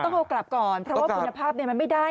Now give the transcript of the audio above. ต้องเอากลับก่อนเพราะว่าคุณภาพมันไม่ได้